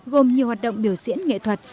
gồm nhiều hoạt động biểu diễn nghệ thuật